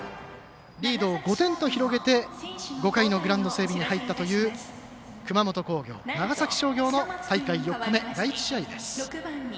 リードを５点と広げて５回のグラウンド整備に入ったという熊本工業長崎商業の大会４日目第１試合です。